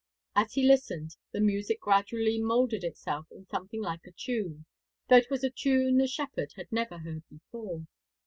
As he listened, the music gradually 'moulded itself in something like a tune, though it was a tune the shepherd had never heard before.'